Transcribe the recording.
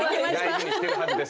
大事にしてるはずです。